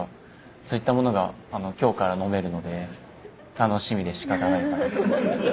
そういったものが今日から飲めるので楽しみで仕方ないです。